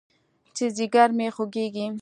چې ځيگر مې خوږېږي.